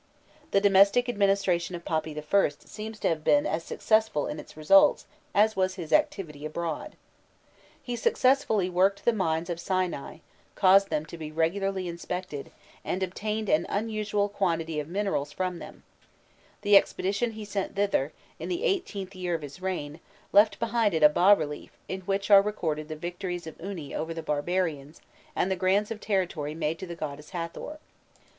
The domestic administration of Papi I. seems to have been as successful in its results, as was his activity abroad. He successfully worked the mines of Sinai, caused them to be regularly inspected, and obtained an unusual quantity of minerals from them; the expedition he sent thither, in the eighteenth year of his reign, left behind it a bas relief in which are recorded the victories of Uni over the barbarians and the grants of territory made to the goddess Hâthor.